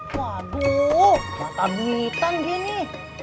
waduh mata buritan gini